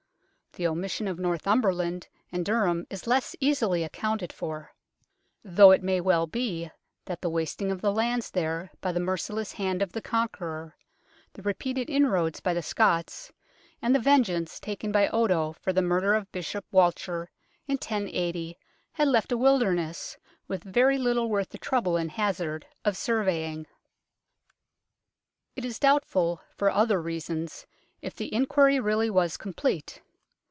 The omission of Northumberland and Durham is less easily accounted for ; though it may well be that the THE DOMESDAY BOOK 79 wasting of the lands there by the merciless hand of the Conqueror, the repeated inroads by the Scots, and the vengeance taken by Odo for the murder of Bishop Walcher in 1080, had left a wilderness, with very little worth the trouble and hazard of surveying. It is doubtful, for other reasons, if the inquiry really was complete.